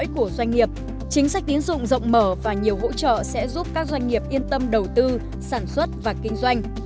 chính sách tín dụng rộng mở và nhiều hỗ trợ sẽ giúp các doanh nghiệp yên tâm đầu tư sản xuất và kinh doanh